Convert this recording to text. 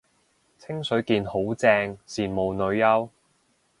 清水健好正，羨慕女優